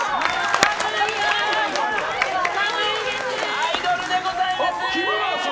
アイドルでございます！